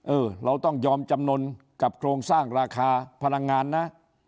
เออเราต้องยอมจำนวนกับโครงสร้างราคาพลังงานนะ